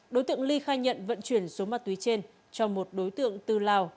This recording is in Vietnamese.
đối tượng ly khai nhận vận chuyển số ma túy trên cho một đối tượng từ lào